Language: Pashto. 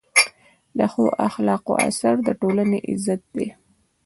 د ښو اخلاقو اثر د ټولنې عزت دی.